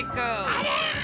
ありゃ！